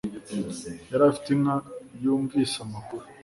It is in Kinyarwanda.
Yari afite inka yumvise amakuru